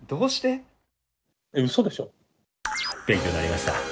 勉強になりました。